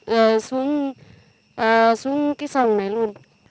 rồi xuống cái sòng đấy luôn